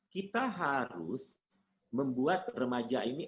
kita harus membuat remaja ini